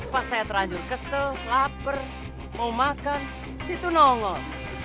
pas saya terlanjur kesel laper mau makan situ nongol